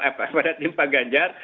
apa pada tim pak ganjar